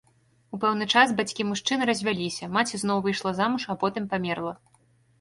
У пэўны час бацькі мужчыны развяліся, маці зноў выйшла замуж а потым памерла.